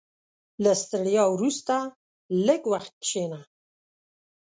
• له ستړیا وروسته، لږ وخت کښېنه.